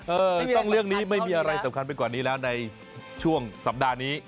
เออต้องเรื่องนี้ไม่มีอะไรสำคัญไปกว่านี้แล้วในช่วงสัปดาห์นี้